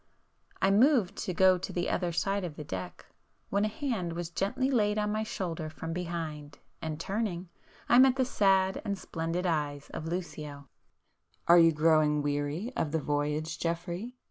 I moved to go to the other side of the deck, when a hand was gently laid on my shoulder from behind, and turning, I met the sad and splendid eyes of Lucio. "Are you growing weary of the voyage Geoffrey?"